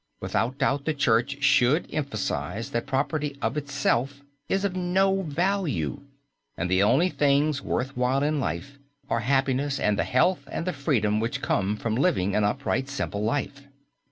Without doubt the Church should emphasize that property of itself is of no value, and the only things worth while in life are happiness and the health and the freedom which come from living an upright, simple life.